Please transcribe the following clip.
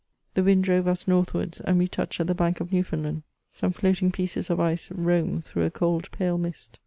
The wind drove us northwards, and we touched at the hank of Newfoundland; some floating pieces of ice roamed through a cold pale mist.